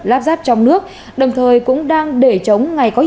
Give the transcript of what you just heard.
lắp ráp trong nước đồng thời cũng đang để chống ngày có dịch bệnh